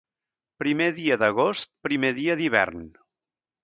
Primer dia d'agost, primer dia d'hivern.